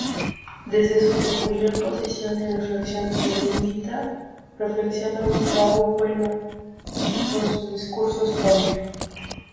Desde su peculiar posición y reflexión erudita, reflexiona Gustavo Bueno en su discurso "España".